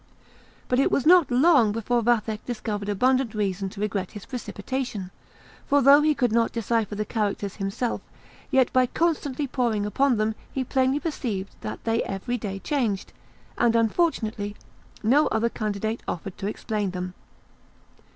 But it was not long before Vathek discovered abundant reason to regret his precipitation; for though he could not decipher the characters himself, yet by constantly poring upon them he plainly perceived that they every day changed, and unfortunately no other candidate offered to explain them.